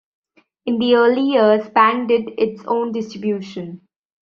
In the early years, Bang did its own distribution.